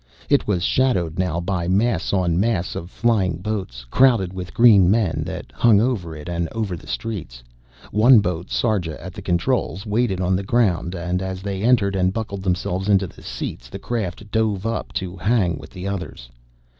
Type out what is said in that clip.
It was shadowed now by mass on mass of flying boats, crowded with green men, that hung over it and over the streets. One boat, Sarja at its controls, waited on the ground and as they entered and buckled themselves into the seats the craft drove up to hang with the others.